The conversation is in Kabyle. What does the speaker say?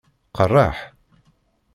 Qerreḥ?